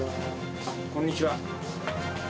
こんにちは。